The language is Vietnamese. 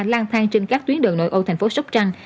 lang thang trên các tuyến đường nội âu thành phố sóc trăng